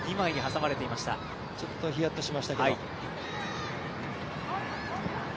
ちょっとヒヤッとしましたけれども。